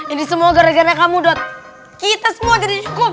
ini semua gara gara kamu dot kita semua jadi hukum